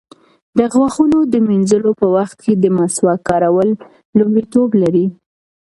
د غاښونو د مینځلو په وخت کې د مسواک کارول لومړیتوب لري.